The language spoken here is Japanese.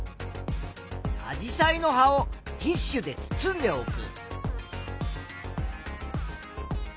アジサイの葉をティッシュで包んでおく。